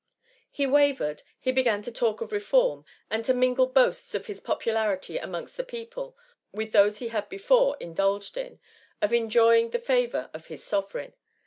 He wavered, he began to talk of reform, and to mingle boasts of his popularity amongst the people, with those he had before indulged in, of enjoying the favour of his sovereign.